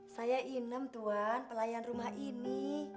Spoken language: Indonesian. saya inam tuan pelayan rumah ini